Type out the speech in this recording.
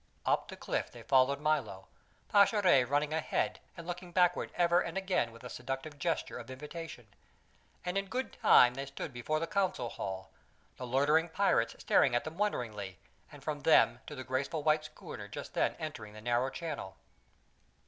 Up the cliff they followed Milo, Pascherette running ahead and looking backward ever and again with a seductive gesture of invitation; and in good time they stood before the council hall, the loitering pirates staring at them wonderingly, and from them to the graceful white schooner just then entering the narrow channel.